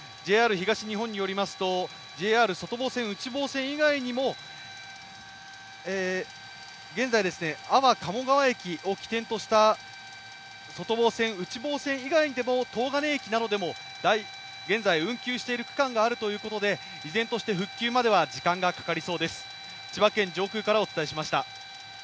ＪＲ東日本によりますと、ＪＲ外房線・内房線以外にも現在、安房鴨川駅を起点とした外房線内房線以外でも東金駅などでも現在、運休している区間があるとのことで依然として復旧までは時間がかかりそうです。